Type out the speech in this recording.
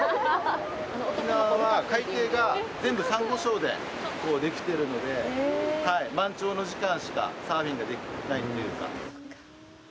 沖縄は、海底が全部サンゴ礁でできているので、満潮の時間しかサーフィンができないというか。